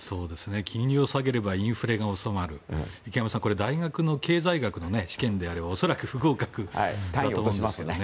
金利を下げればインフレが収まるって大学の経済学の試験であれば恐らく不合格ですよね。